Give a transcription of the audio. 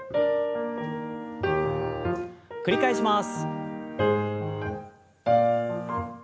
繰り返します。